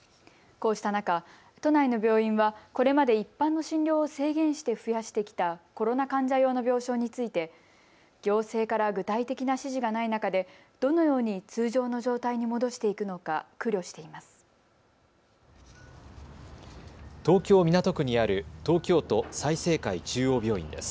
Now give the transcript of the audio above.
こうした中、都内の病院はこれまで一般の診療を制限して増やしてきたコロナ患者用の病床について行政から具体的な指示がない中でどのように通常の状態に戻していくのか苦慮しています。